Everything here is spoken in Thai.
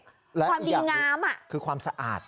ความดีงามคือความสะอาด